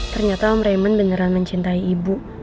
ternyata om raymond beneran mencintai ibu